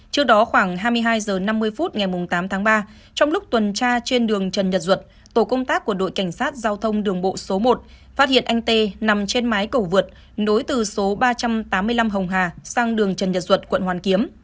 trước đó khoảng hai mươi hai h năm mươi phút ngày tám tháng ba trong lúc tuần tra trên đường trần nhật duật tổ công tác của đội cảnh sát giao thông đường bộ số một phát hiện anh tê nằm trên mái cầu vượt nối từ số ba trăm tám mươi năm hồng hà sang đường trần nhật duật quận hoàn kiếm